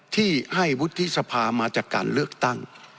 ที่ให้วุฒิสภามาจากการเลือกตั้ง